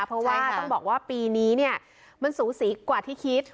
เพราะว่าต้องบอกว่าปีนี้เนี่ยมันสูสีกว่าที่คิด